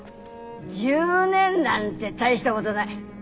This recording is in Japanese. １０年なんて大したごどない。